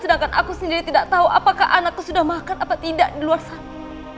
sedangkan aku sendiri tidak tahu apakah anakku sudah makan atau tidak di luar sana